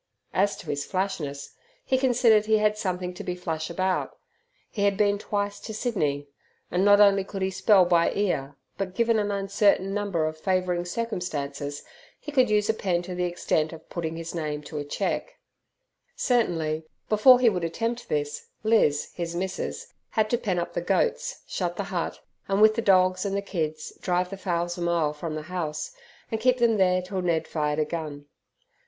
As to his flashness, he considered he had something to be flash about. He had been twice to Sydney; and not only could he spell by ear, but, given an uncertain number of favouring circumstances, he could use a pen to the extent of putting his name to a cheque. Certainly before he would attempt this, Liz, his missus, had to pen up the goats, shut the hut, and, with the dogs and the kids, drive the fowls a mile from the house, and keep them there till Ned fired a gun.